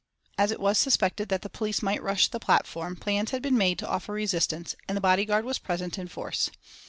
As it was suspected that the police might rush the platform, plans had been made to offer resistance, and the bodyguard was present in force.